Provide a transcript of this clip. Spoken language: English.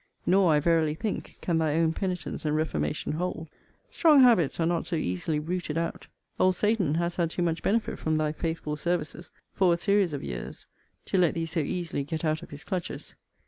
Nor, I verily think, can thy own penitence and reformation hold. Strong habits are not so easily rooted out. Old Satan has had too much benefit from thy faithful services, for a series of years, to let thee so easily get out of his clutches.